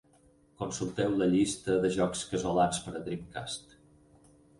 Consulteu la llista de jocs casolans per a Dreamcast.